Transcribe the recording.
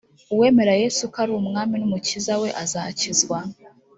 uwemera yesu ko ari umwami n umukiza we azakizwa